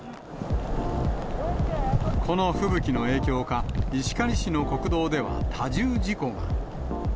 この吹雪の影響か、石狩市の国道では多重事故が。